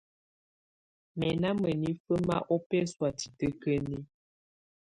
Mɛ̀ na mǝnifǝ ma ɔbɛsɔ̀á titǝ́kǝni.